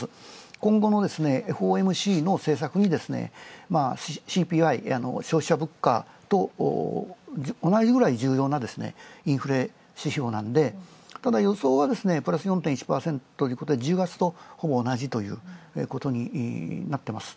今後のＦＯＭＣの政策に、ＣＰＩ、消費者物価と同じくらい重要なインフレ指標なんで、ただ予想はプラス４．１％ということで、１０月とほぼ同じということになってます。